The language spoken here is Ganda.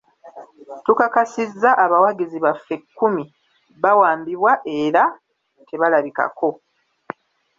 Tukakasizza abawagizi baffe kkumi bawambibwa era tebalabikako.